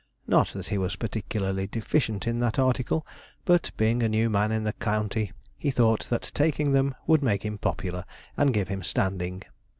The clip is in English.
Not that he was particularly deficient in that article; but being a new man in the county, he thought that taking them would make him popular, and give him standing.